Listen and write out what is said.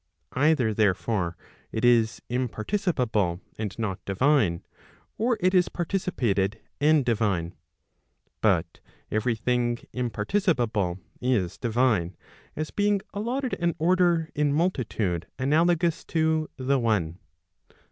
Either 1 therefore, it is imparticipable and not divine; or it is participated and divine. But every thing imparticipable is divine, as being allotted an order in multitude analogous to the one.